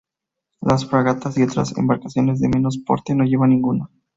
Las fragatas y otras embarcaciones de menos porte no llevan ninguna.